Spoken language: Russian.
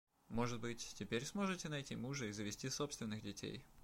Может быть, теперь сможете найти мужа и завести собственных детей.